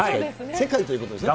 世界ということですね。